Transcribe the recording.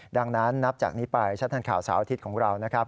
ดังนั้นนับจากนี้ไปชัดทันข่าวเสาร์อาทิตย์ของเรานะครับ